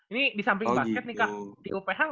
ini di samping paket nih kak